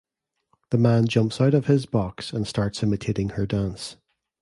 The man jumps out of his box and starts imitating her dance.